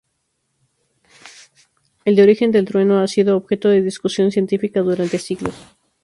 El origen del trueno ha sido objeto de discusión científica durante siglos.